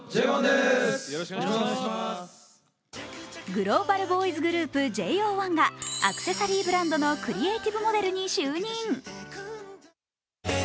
グローバルボーイズグループＪＯ１がアクセサリーブランドのクリエーティブモデルに就任。